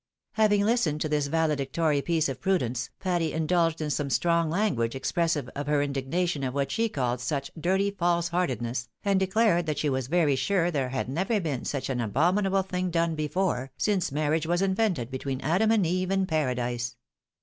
Having listened to this valedictory piece of prudence, Patty indulged in some strong language expressive of 290 ' THE WIDOW MARRIED. lier indignation of what she called such " dirty false heartedness," and declared that she was very sure there never had been such an abominable tiling done before, since marriage was invented between Adam and Eve in Paradise.